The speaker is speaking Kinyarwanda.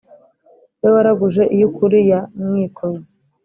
we waraguje iy'ukuri ya mwikozi,